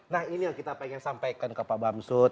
nah ini yang kita ingin sampaikan ke pak bamsud